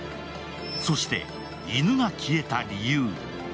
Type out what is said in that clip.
そして、犬が消えた理由。